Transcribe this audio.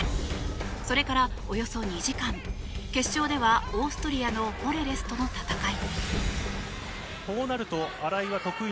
それからおよそ２時間決勝ではオーストリアのポレレスとの戦い。